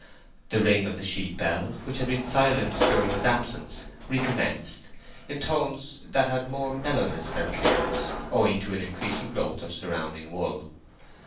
The ring of the sheep bell, which had been silent during his absence, recommenced, in tones that had more mellowness than clearness, owing to an increasing growth of surrounding wool.